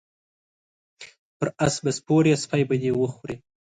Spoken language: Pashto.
په اس به سپور یی سپی به دی وخوري